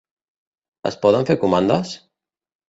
Es poden fer comandes?